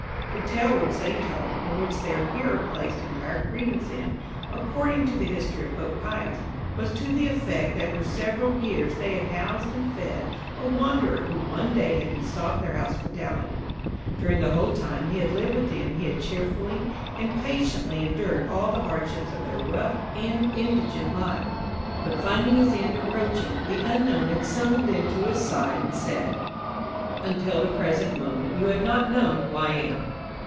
The tale which they told, and which their hearer placed entire credence in, according to the history of Pope Pius, was to the effect that for several years they had housed and fed a wanderer who one day had besought their hospitality; during the whole time he had lived with them he had cheerfully and patiently endured all the hardships of their rough and indigent life, but finding his end approaching, the unknown had summoned them to his side and said: "Until the present moment you have not known who I am.